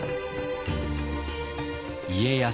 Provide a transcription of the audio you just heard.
家康